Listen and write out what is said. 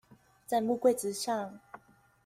在木櫃子上